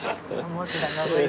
面白い。